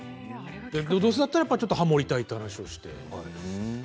どうせだったらハモりたいという話をして。